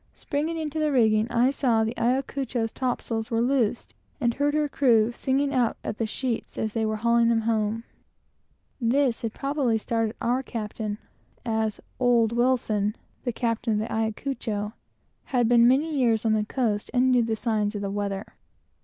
Springing into the rigging, I saw that the Ayacucho's topsails were loosed, and heard her crew singing out at the sheets as they were hauling them home. This had probably started our captain; as "old Wilson" (the captain of the Ayacucho) had been many years on the coast, and knew the signs of the weather.